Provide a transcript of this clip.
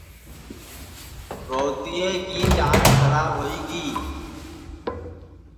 روتیئے کی ٹانگ کھراب ہوئی گی